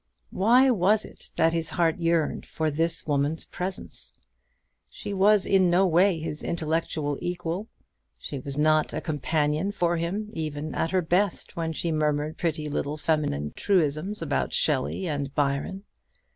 Why was it that his heart yearned for this woman's presence? She was in no way his intellectual equal: she was not a companion for him, even at her best, when she murmured pretty little feminine truisms about Shelley and Byron.